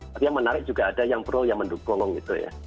tapi yang menarik juga ada yang pro yang mendukung gitu ya